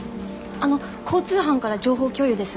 あの交通班から情報共有です。